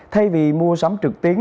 thay vì mua sắm trực tiến